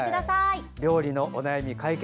料理のお悩み解決